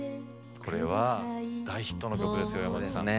これは大ヒットした曲ですね。